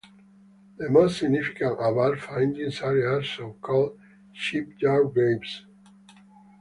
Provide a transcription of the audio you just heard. The most significant Avar findings are the so-called Shipyard-graves.